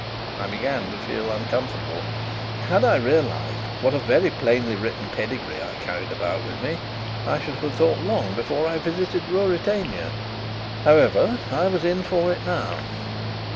I began to feel uncomfortable. Had I realized what a very plainly written pedigree I carried about with me, I should have thought long before I visited Ruritania. However, I was in for it now.